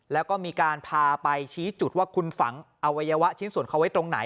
แล้วก็มีการพาไปชี้จุดว่าคุณฝังอวัยวะชิ้นส่วนเขาไว้ตรงไหน